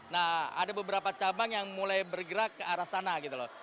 nah ada beberapa cabang yang mulai bergerak ke arah sana gitu loh